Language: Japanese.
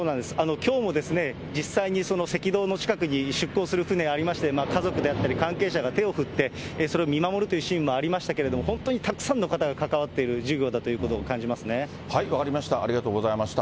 きょうも実際に赤道の近くに出港する船ありまして、家族であったり関係者が手を振って、それを見守るというシーンもありましたけれども、本当にたくさんの方が関わっている事業だということを感分かりました、ありがとうございました。